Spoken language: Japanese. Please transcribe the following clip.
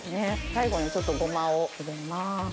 最後にちょっとゴマを入れます。